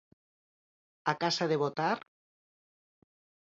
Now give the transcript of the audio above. A casa de votar?